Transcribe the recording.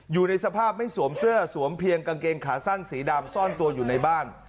อยู่ในสภาพไม่สวมเสื้อสวมเพียงกางเกงขาสั้นสีดำซ่อนตัวอยู่ในบ้าน